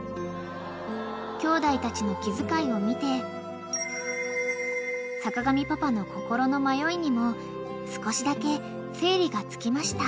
［きょうだいたちの気遣いを見て坂上パパの心の迷いにも少しだけ整理がつきました］